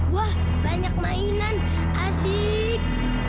wah banyak mainan asik